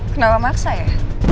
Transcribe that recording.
kenal sama saya